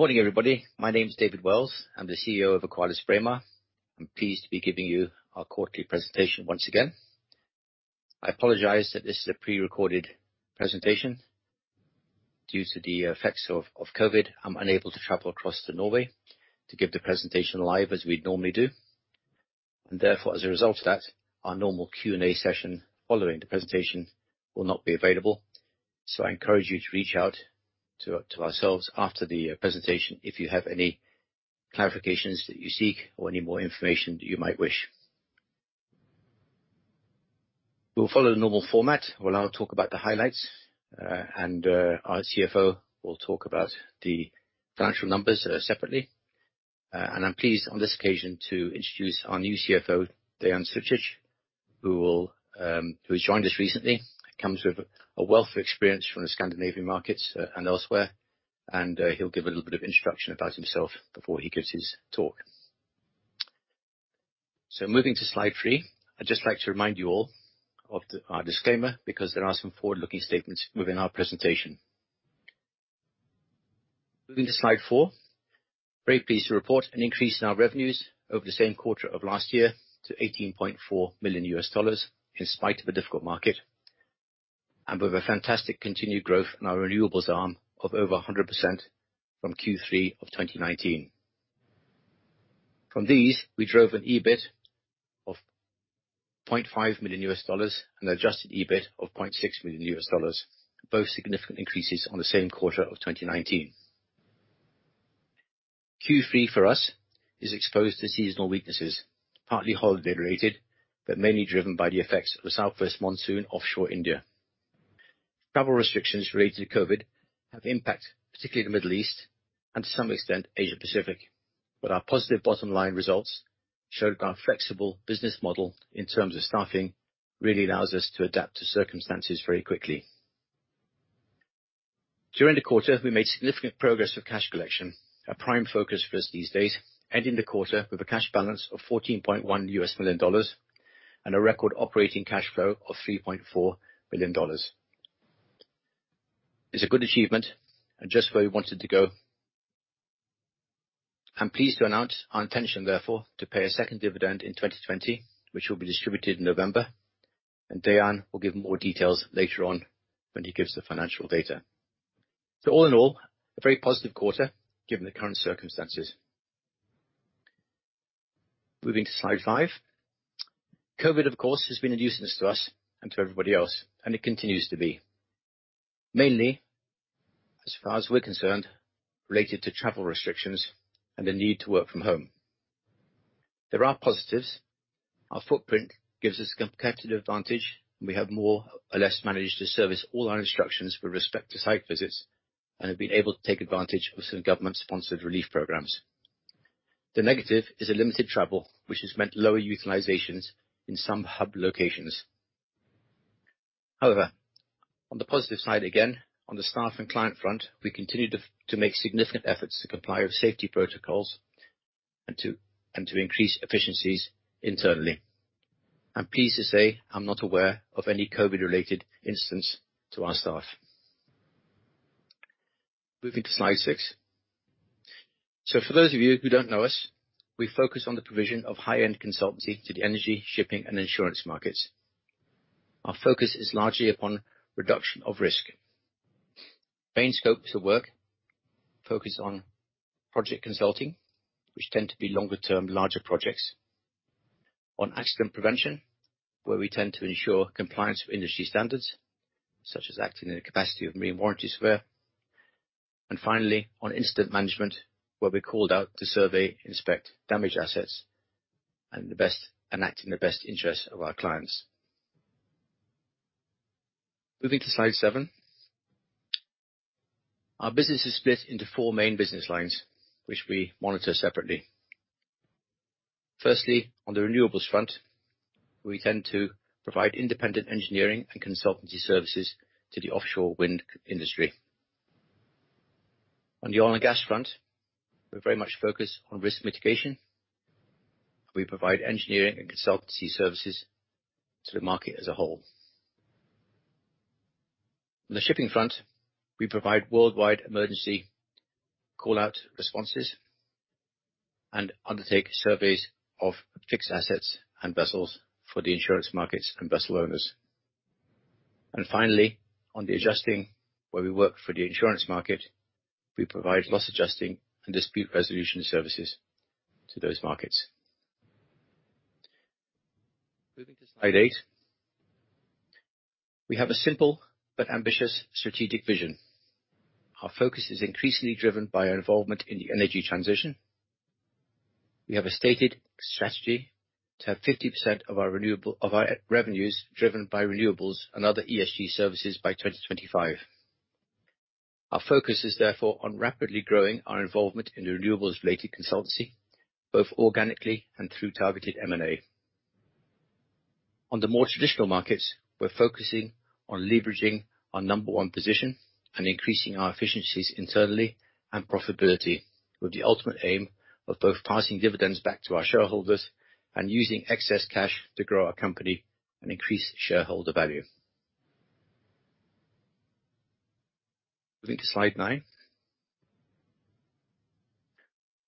Good morning, everybody. My name is David Wells. I'm the CEO of AqualisBraemar. I'm pleased to be giving you our quarterly presentation once again. I apologize that this is a pre-recorded presentation. Due to the effects of COVID, I'm unable to travel across to Norway to give the presentation live as we'd normally do. Therefore, as a result of that, our normal Q&A session following the presentation will not be available. I encourage you to reach out to ourselves after the presentation if you have any clarifications that you seek or any more information that you might wish. We'll follow the normal format, where I'll talk about the highlights, and our CFO will talk about the financial numbers separately. I'm pleased on this occasion to introduce our new CFO, Dean Zuzic, who has joined us recently. Comes with a wealth of experience from the Scandinavian markets and elsewhere, and he'll give a little bit of introduction about himself before he gives his talk. Moving to slide three, I'd just like to remind you all of our disclaimer, because there are some forward-looking statements within our presentation. Moving to slide four. Very pleased to report an increase in our revenues over the same quarter of last year to $18.4 million in spite of a difficult market. With a fantastic continued growth in our renewables arm of over 100% from Q3 of 2019. From these, we drove an EBIT of $0.5 million and adjusted EBIT of $0.6 million, both significant increases on the same quarter of 2019. Q3 for us is exposed to seasonal weaknesses, partly holiday-related, but mainly driven by the effects of the Southwest monsoon offshore India. Travel restrictions related to COVID have impact, particularly the Middle East and to some extent, Asia-Pacific. Our positive bottom-line results showed our flexible business model in terms of staffing, really allows us to adapt to circumstances very quickly. During the quarter, we made significant progress with cash collection, a prime focus for us these days, ending the quarter with a cash balance of $14.1 million and a record operating cash flow of $3.4 million. It's a good achievement and just where we wanted to go. I'm pleased to announce our intention therefore, to pay a second dividend in 2020, which will be distributed in November, and Dean will give more details later on when he gives the financial data. All in all, a very positive quarter given the current circumstances. Moving to slide five. COVID, of course, has been a nuisance to us and to everybody else, and it continues to be. Mainly, as far as we're concerned, related to travel restrictions and the need to work from home. There are positives. Our footprint gives us competitive advantage, and we have more or less managed to service all our instructions with respect to site visits and have been able to take advantage of some government-sponsored relief programs. The negative is a limited travel, which has meant lower utilizations in some hub locations. However, on the positive side, again, on the staff and client front, we continue to make significant efforts to comply with safety protocols and to increase efficiencies internally. I'm pleased to say I'm not aware of any COVID-related instance to our staff. Moving to slide six. For those of you who don't know us, we focus on the provision of high-end consultancy to the energy, shipping, and insurance markets. Our focus is largely upon reduction of risk. Main scopes of work focus on project consulting, which tend to be longer-term, larger projects. On accident prevention, where we tend to ensure compliance with industry standards, such as acting in the capacity of marine warranty surveyor. Finally, on incident management, where we're called out to survey, inspect damaged assets, and act in the best interest of our clients. Moving to slide seven. Our business is split into four main business lines, which we monitor separately. Firstly, on the renewables front, we tend to provide independent engineering and consultancy services to the offshore wind industry. On the oil and gas front, we're very much focused on risk mitigation. We provide engineering and consultancy services to the market as a whole. On the shipping front, we provide worldwide emergency call-out responses and undertake surveys of fixed assets and vessels for the insurance markets and vessel owners. Finally, on the adjusting, where we work for the insurance market, we provide loss adjusting and dispute resolution services to those markets. Moving to slide eight. We have a simple but ambitious strategic vision. Our focus is increasingly driven by our involvement in the energy transition. We have a stated strategy to have 50% of our revenues driven by renewables and other ESG services by 2025. Our focus is therefore on rapidly growing our involvement in renewables-related consultancy, both organically and through targeted M&A. On the more traditional markets, we're focusing on leveraging our number one position and increasing our efficiencies internally and profitability with the ultimate aim of both passing dividends back to our shareholders and using excess cash to grow our company and increase shareholder value. Moving to slide nine.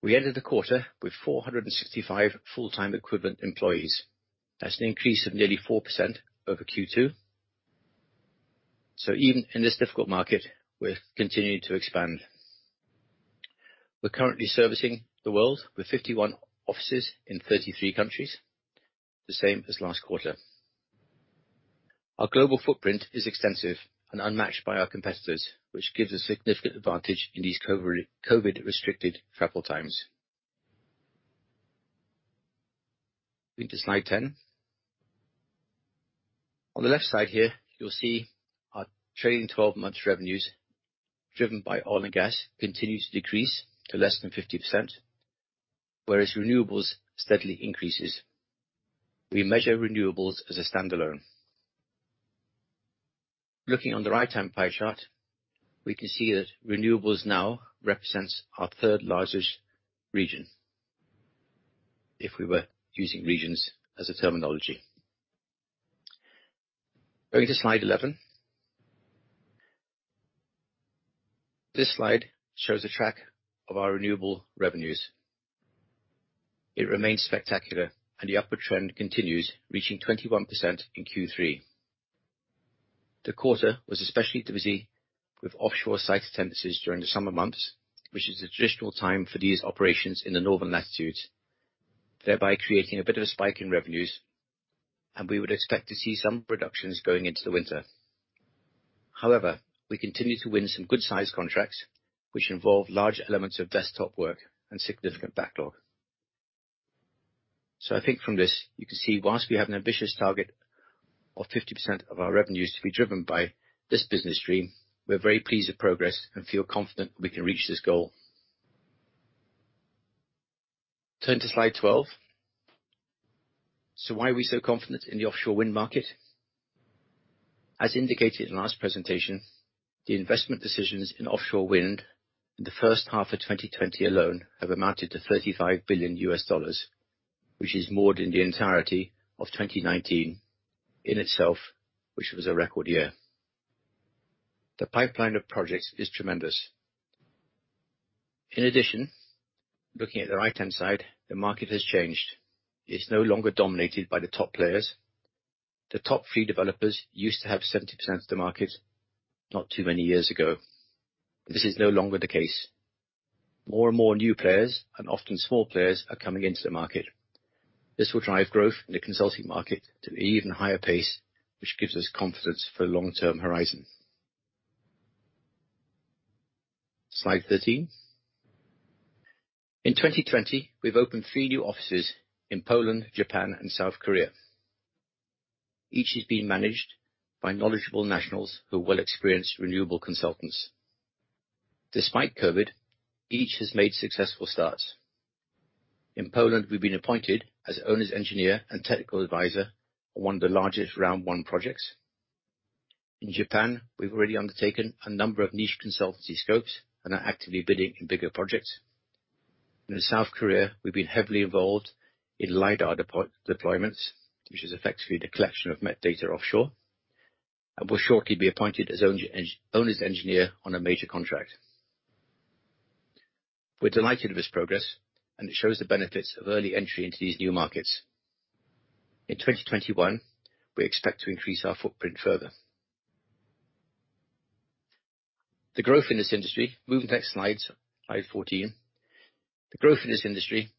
We ended the quarter with 465 full-time equivalent employees. That's an increase of nearly 4% over Q2. Even in this difficult market, we're continuing to expand. We're currently servicing the world with 51 offices in 33 countries, the same as last quarter. Our global footprint is extensive and unmatched by our competitors, which gives a significant advantage in these COVID-restricted travel times. Moving to slide 10. On the left side here, you'll see our trailing 12 months revenues driven by oil and gas continues to decrease to less than 50%, whereas renewables steadily increases. We measure renewables as a standalone. Looking on the right-hand pie chart, we can see that renewables now represents our third largest region, if we were using regions as a terminology. Going to slide 11. This slide shows a track of our renewable revenues. It remains spectacular, and the upward trend continues, reaching 21% in Q3. The quarter was especially busy with offshore site attendances during the summer months, which is the traditional time for these operations in the Northern latitudes, thereby creating a bit of a spike in revenues, and we would expect to see some reductions going into the winter. However, we continue to win some good-sized contracts, which involve large elements of desktop work and significant backlog. I think from this, you can see whilst we have an ambitious target of 50% of our revenues to be driven by this business stream, we're very pleased with progress and feel confident we can reach this goal. Turn to slide 12. Why are we so confident in the offshore wind market? As indicated in last presentation, the investment decisions in offshore wind in the first half of 2020 alone have amounted to $35 billion, which is more than the entirety of 2019 in itself, which was a record year. The pipeline of projects is tremendous. In addition, looking at the right-hand side, the market has changed. It's no longer dominated by the top players. The top three developers used to have 70% of the market not too many years ago. This is no longer the case. More and more new players, and often small players, are coming into the market. This will drive growth in the consulting market to an even higher pace, which gives us confidence for long-term horizon. Slide 13. In 2020, we've opened three new offices in Poland, Japan, and South Korea. Each is being managed by knowledgeable nationals who are well-experienced renewable consultants. Despite COVID, each has made successful starts. In Poland, we've been appointed as owner's engineer and technical advisor on one of the largest round one projects. In Japan, we've already undertaken a number of niche consultancy scopes and are actively bidding in bigger projects. In South Korea, we've been heavily involved in LiDAR deployments, which is effectively the collection of met data offshore, and will shortly be appointed as owner's engineer on a major contract. We're delighted with this progress, and it shows the benefits of early entry into these new markets. In 2021, we expect to increase our footprint further. Moving to next slide, slide 14. The growth in this industry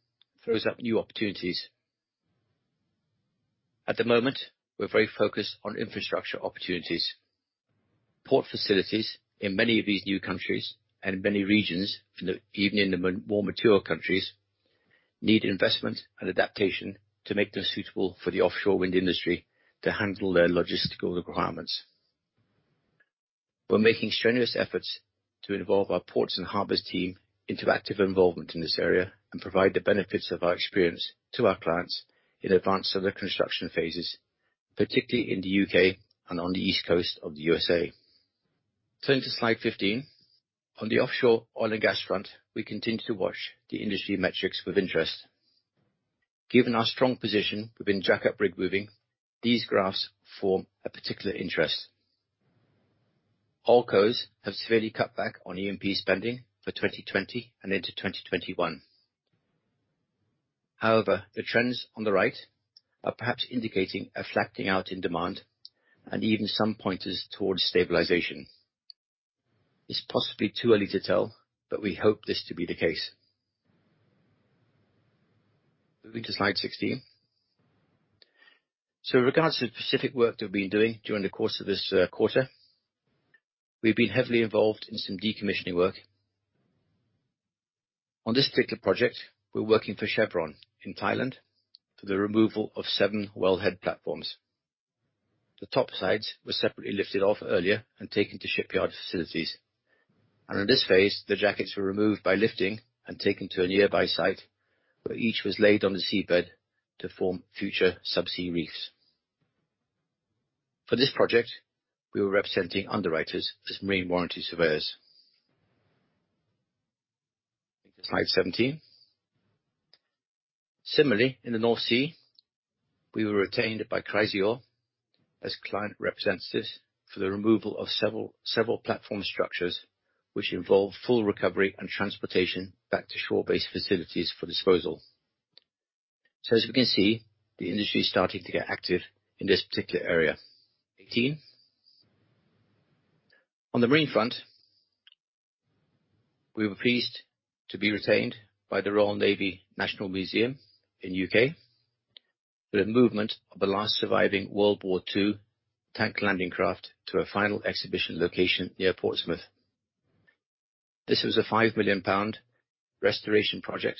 throws up new opportunities. At the moment, we're very focused on infrastructure opportunities. Port facilities in many of these new countries and many regions, even in the more mature countries, need investment and adaptation to make them suitable for the offshore wind industry to handle their logistical requirements. We're making strenuous efforts to involve our ports and harbors team into active involvement in this area and provide the benefits of our experience to our clients in advance of the construction phases, particularly in the U.K. and on the East Coast of the U.S.A. Turn to slide 15. On the offshore oil and gas front, we continue to watch the industry metrics with interest. Given our strong position within jackup rig moving, these graphs form a particular interest. Oil cos have severely cut back on E&P spending for 2020 and into 2021. However, the trends on the right are perhaps indicating a flattening out in demand and even some pointers towards stabilization. It's possibly too early to tell, but we hope this to be the case. Moving to slide 16. Regards the specific work that we've been doing during the course of this quarter, we've been heavily involved in some decommissioning work. On this particular project, we're working for Chevron in Thailand for the removal of seven wellhead platforms. The top sides were separately lifted off earlier and taken to shipyard facilities. In this phase, the jackets were removed by lifting and taken to a nearby site, where each was laid on the seabed to form future subsea reefs. For this project, we were representing underwriters as marine warranty surveyors. Slide 17. Similarly, in the North Sea, we were retained by Chrysaor as client representatives for the removal of several platform structures, which involved full recovery and transportation back to shore-based facilities for disposal. As we can see, the industry is starting to get active in this particular area. 18. On the marine front, we were pleased to be retained by the Royal Navy National Museum in U.K., for the movement of the last surviving World War II tank landing craft to a final exhibition location near Portsmouth. This was a 5 million pound restoration project,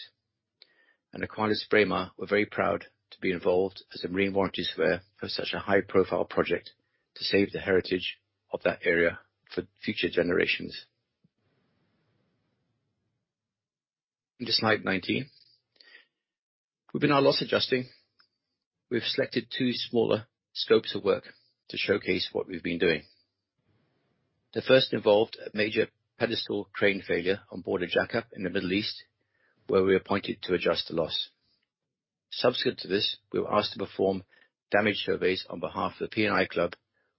and AqualisBraemar were very proud to be involved as the marine warranty surveyor of such a high-profile project to save the heritage of that area for future generations. Into slide 19. Moving on our loss adjusting. We've selected two smaller scopes of work to showcase what we've been doing. The first involved a major pedestal crane failure on board a jackup in the Middle East, where we were appointed to adjust the loss. Subsequent to this, we were asked to perform damage surveys on behalf of the P&I Club,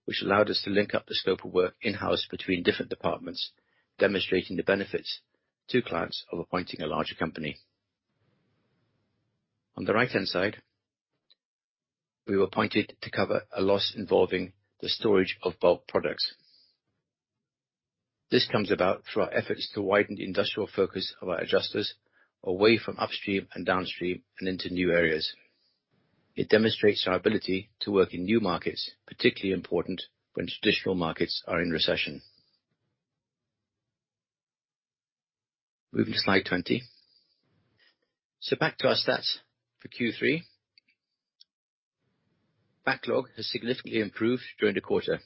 which allowed us to link up the scope of work in-house between different departments, demonstrating the benefits to clients of appointing a larger company. On the right-hand side, we were appointed to cover a loss involving the storage of bulk products. This comes about through our efforts to widen the industrial focus of our adjusters away from upstream and downstream and into new areas. It demonstrates our ability to work in new markets, particularly important when traditional markets are in recession. Moving to slide 20. Back to our stats for Q3. Backlog has significantly improved during the quarter.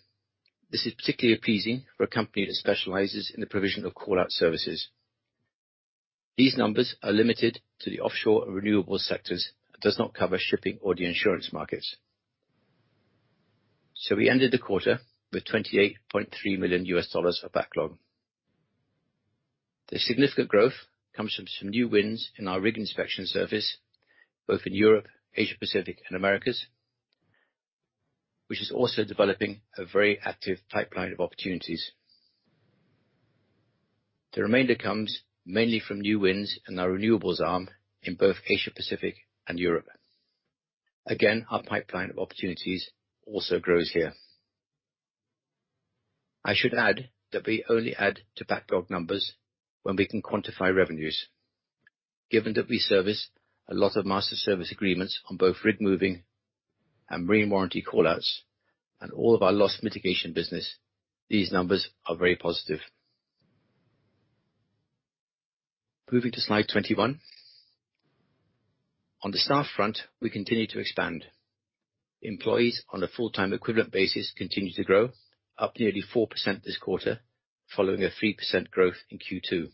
This is particularly pleasing for a company that specializes in the provision of call-out services. These numbers are limited to the offshore and renewable sectors, and does not cover shipping or the insurance markets. We ended the quarter with $28.3 million of backlog. The significant growth comes from some new wins in our rig inspection service, both in Europe, Asia-Pacific, and Americas, which is also developing a very active pipeline of opportunities. The remainder comes mainly from new wins in our renewables arm in both Asia-Pacific and Europe. Again, our pipeline of opportunities also grows here. I should add that we only add to backlog numbers when we can quantify revenues. Given that we service a lot of master service agreements on both rig moving and marine warranty call-outs and all of our loss mitigation business, these numbers are very positive. Moving to slide 21. On the staff front, we continue to expand. Employees on a full-time equivalent basis continue to grow, up nearly 4% this quarter, following a 3% growth in Q2.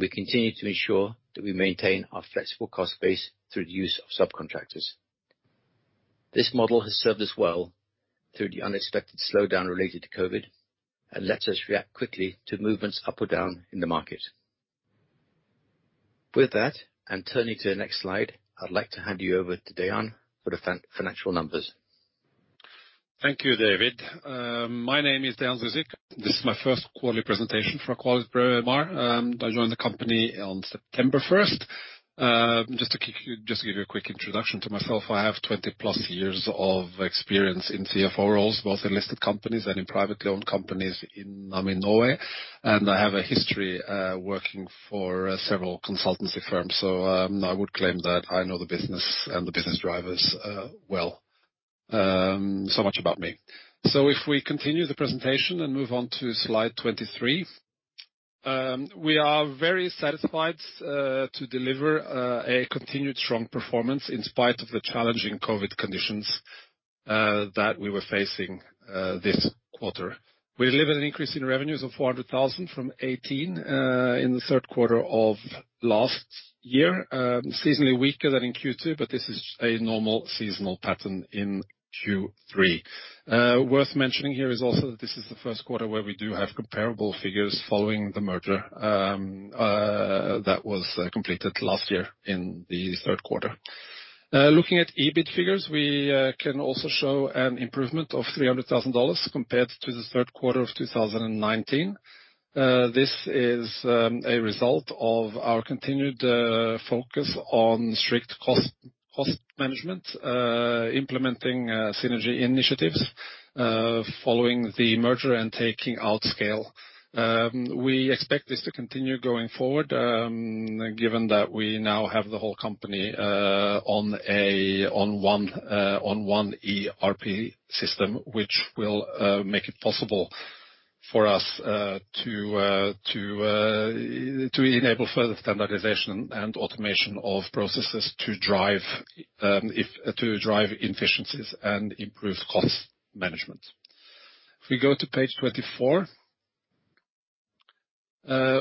We continue to ensure that we maintain our flexible cost base through the use of subcontractors. This model has served us well through the unexpected slowdown related to COVID, and lets us react quickly to movements up or down in the market. With that, and turning to the next slide, I'd like to hand you over to Dean for the financial numbers. Thank you, David. My name is Dean Zuzic. This is my first quarterly presentation for AqualisBraemar. I joined the company on September 1st. Just to give you a quick introduction to myself, I have 20+ years of experience in CFO roles, both in listed companies and in privately owned companies in Norway. I have a history working for several consultancy firms. I would claim that I know the business and the business drivers well. So much about me. If we continue the presentation and move on to slide 23. We are very satisfied to deliver a continued strong performance in spite of the challenging COVID conditions that we were facing this quarter. We delivered an increase in revenues of $400,000 from $18 million in the third quarter of last year. Seasonally weaker than in Q2, but this is a normal seasonal pattern in Q3. Worth mentioning here is also that this is the first quarter where we do have comparable figures following the merger that was completed last year in the third quarter. Looking at EBIT figures, we can also show an improvement of $300,000 compared to the third quarter of 2019. This is a result of our continued focus on strict cost management, implementing synergy initiatives following the merger and taking out scale. We expect this to continue going forward, given that we now have the whole company on one ERP system, which will make it possible for us to enable further standardization and automation of processes to drive efficiencies and improve cost management. If we go to page 24.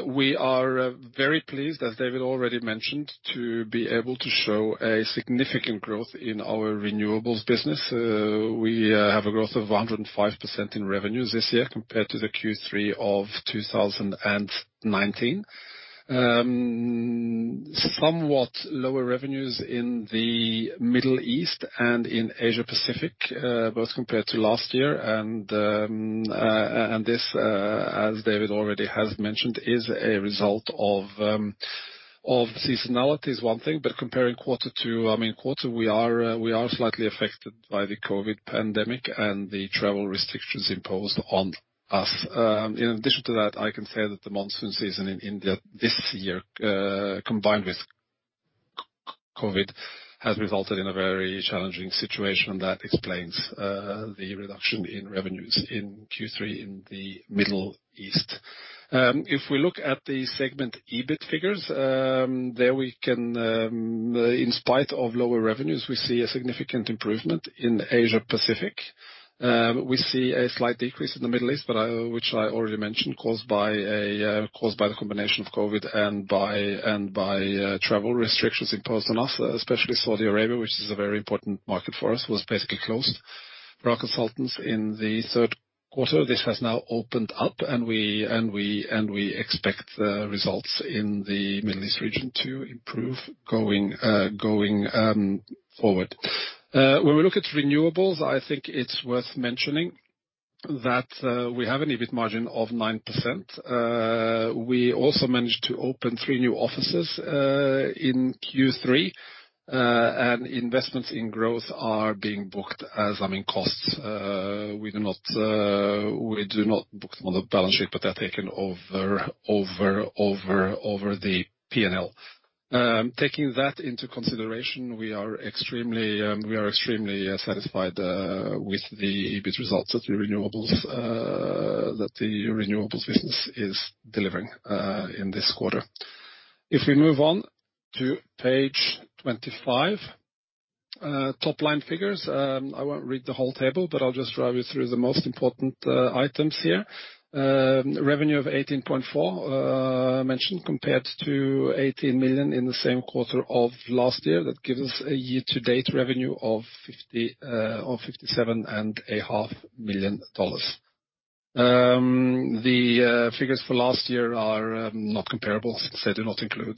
We are very pleased, as David already mentioned, to be able to show a significant growth in our renewables business. We have a growth of 105% in revenues this year compared to the Q3 of 2019. Somewhat lower revenues in the Middle East and in Asia-Pacific, both compared to last year. This, as David already has mentioned, is a result of seasonalities is one thing, but comparing quarter, we are slightly affected by the COVID pandemic and the travel restrictions imposed on us. In addition to that, I can say that the monsoon season in India this year, combined with COVID, has resulted in a very challenging situation that explains the reduction in revenues in Q3 in the Middle East. If we look at the segment EBIT figures, there we can, in spite of lower revenues, we see a significant improvement in Asia-Pacific. We see a slight decrease in the Middle East, which I already mentioned, caused by the combination of COVID and by travel restrictions imposed on us, especially Saudi Arabia, which is a very important market for us, was basically closed for our consultants in the third quarter. This has now opened up, and we expect the results in the Middle East region to improve going forward. When we look at renewables, I think it's worth mentioning that we have an EBIT margin of 9%. We also managed to open three new offices, in Q3. Investments in growth are being booked as costs. We do not book them on the balance sheet, but they're taken over the P&L. Taking that into consideration, we are extremely satisfied with the EBIT results that the renewables business is delivering in this quarter. If we move on to page 25. Top line figures. I won't read the whole table, but I'll just drive you through the most important items here. Revenue of $18.4 million mentioned compared to $18 million in the same quarter of last year. That gives us a year-to-date revenue of $57.5 million. The figures for last year are not comparable since they do not include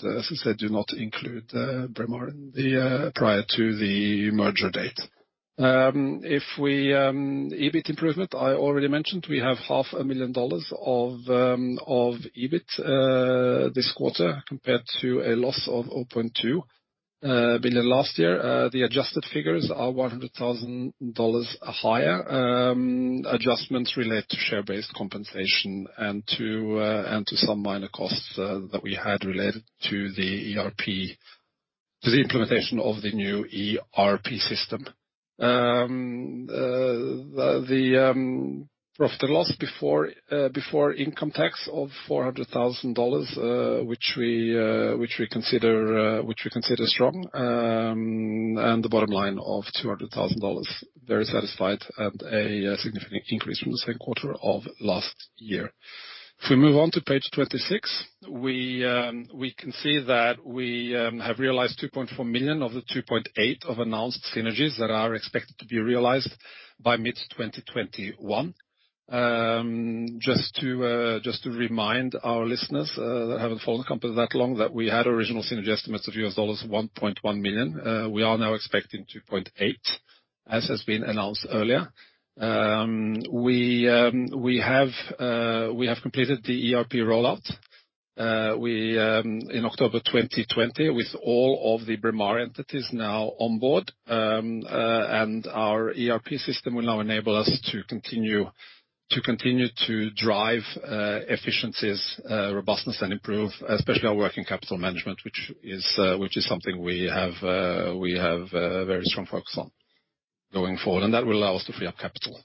Braemar in the prior to the merger date. EBIT improvement, I already mentioned, we have $0.5 million of EBIT this quarter compared to a loss of $0.2 million last year. The adjusted figures are $100,000 higher. Adjustments relate to share-based compensation and to some minor costs that we had related to the implementation of the new ERP system. The profit or loss before income tax of $400,000, which we consider strong. The bottom line of $200,000, very satisfied, and a significant increase from the same quarter of last year. If we move on to page 26, we can see that we have realized $2.4 million of the $2.8 million of announced synergies that are expected to be realized by mid-2021. Just to remind our listeners that haven't followed the company that long, that we had original synergy estimates of $1.1 million. We are now expecting $2.8 million, as has been announced earlier. We have completed the ERP rollout in October 2020 with all of the Braemar entities now on board. Our ERP system will now enable us to continue to drive efficiencies, robustness, and improve especially our working capital management, which is something we have a very strong focus on going forward. That will allow us to free up capital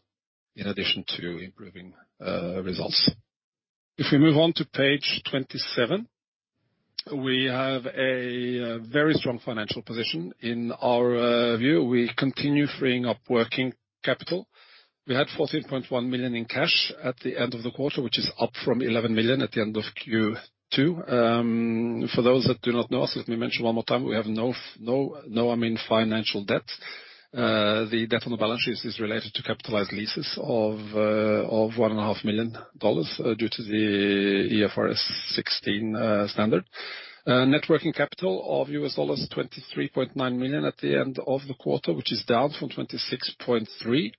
in addition to improving results. If we move on to page 27, we have a very strong financial position. In our view, we continue freeing up working capital. We had $14.1 million in cash at the end of the quarter, which is up from $11 million at the end of Q2. For those that do not know us, let me mention one more time, we have no financial debt. The debt on the balance sheet is related to capitalized leases of $1.5 million due to the IFRS 16 standard. Net working capital of $23.9 million at the end of the quarter, which is down from $26.3 million.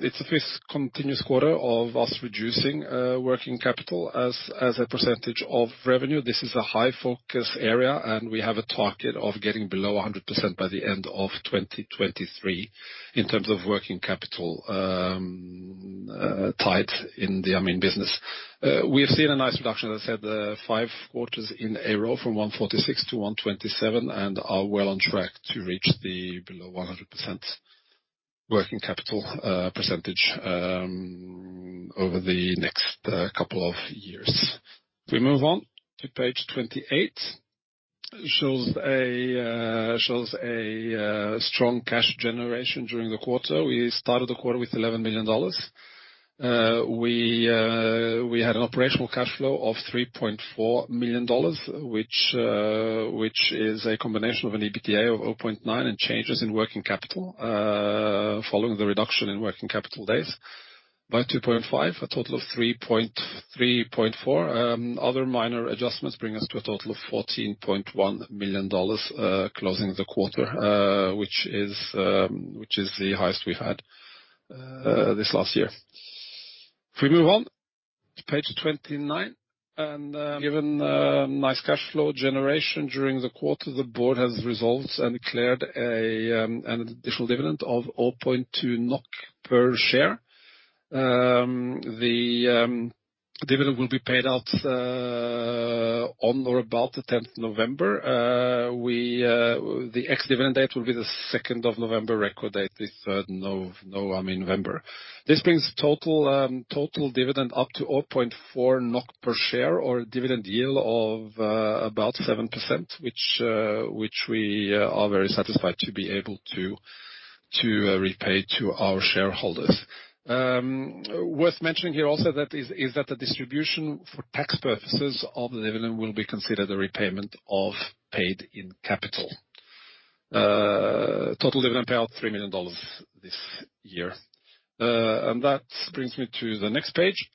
It's the first continuous quarter of us reducing working capital as a percentage of revenue. This is a high-focus area, and we have a target of getting below 100% by the end of 2023 in terms of working capital tied in the, I mean, business. We have seen a nice reduction, as I said, five quarters in a row from 146% to 127% and are well on track to reach the below 100% working capital percentage over the next couple of years. We move on to page 28. It shows a strong cash generation during the quarter. We started the quarter with $11 million. We had an operational cash flow of $3.4 million, which is a combination of an EBITDA of $0.9 million and changes in working capital following the reduction in working capital days by $2.5 million. A total of $3.4 million. Other minor adjustments bring us to a total of $14.1 million closing the quarter, which is the highest we've had this last year. We move on to page 29, given nice cash flow generation during the quarter, the board has resolved and declared an additional dividend of 0.2 NOK per share. The dividend will be paid out on or about the 10th November. The ex-dividend date will be the 2nd of November, record date, the 3rd November. This brings total dividend up to 0.4 NOK per share or dividend yield of about 7%, which we are very satisfied to be able to repay to our shareholders. Worth mentioning here also is that the distribution for tax purposes of the dividend will be considered a repayment of paid-in capital. Total dividend payout, $3 million this year. That brings me to the next page,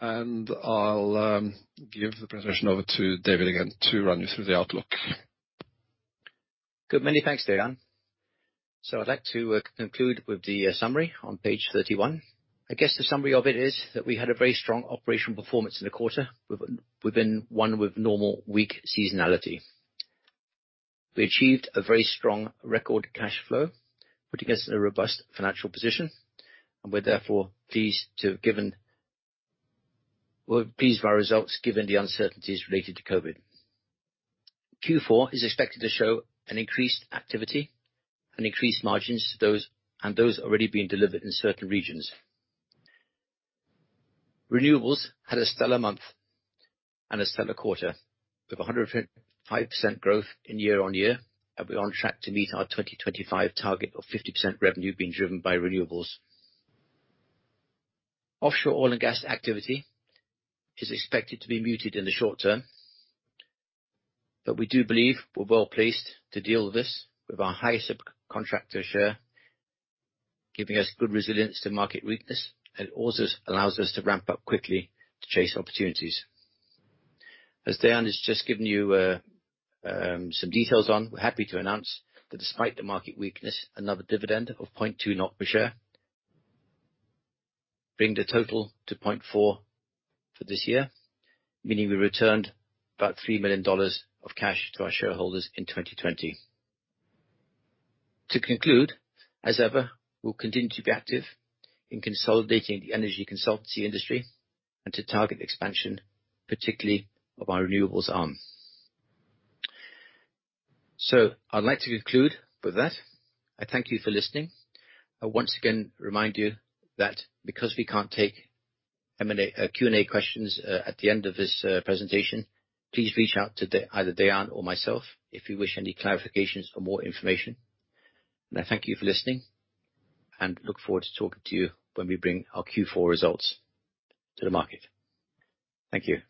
and I'll give the presentation over to David again to run you through the outlook. Good. Many thanks, Dean. I'd like to conclude with the summary on page 31. I guess the summary of it is that we had a very strong operational performance in the quarter, within one with normal weak seasonality. We achieved a very strong record cash flow, putting us in a robust financial position, and we're therefore pleased by our results given the uncertainties related to COVID. Q4 is expected to show an increased activity and increased margins. Those already being delivered in certain regions. Renewables had a stellar month and a stellar quarter, with 105% growth in year-on-year. We are on track to meet our 2025 target of 50% revenue being driven by renewables. Offshore oil and gas activity is expected to be muted in the short-term, but we do believe we're well-placed to deal with this with our high subcontractor share, giving us good resilience to market weakness, and it also allows us to ramp up quickly to chase opportunities. As Dean has just given you some details on, we're happy to announce that despite the market weakness, another dividend of 0.2 per share, bringing the total to 0.4 for this year, meaning we returned about $3 million of cash to our shareholders in 2020. To conclude, as ever, we'll continue to be active in consolidating the energy consultancy industry and to target expansion, particularly of our renewables arm. I'd like to conclude with that. I thank you for listening. I once again remind you that because we can't take Q&A questions at the end of this presentation, please reach out to either Dean or myself if you wish any clarifications or more information. I thank you for listening and look forward to talking to you when we bring our Q4 results to the market. Thank you.